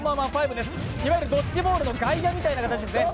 いわゆるドッジボールの外野みたいな感じですね。